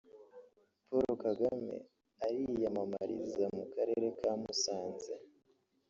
Paul Kagame ariyamamariza mu Karere ka Musanze